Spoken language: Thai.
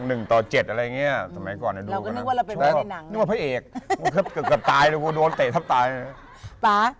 เออ๊ะ